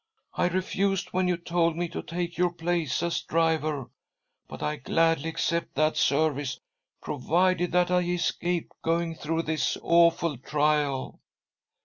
I refused when you told me to take, your place as driver, but I gladly accept that service, provided that I escape going through this awful trial.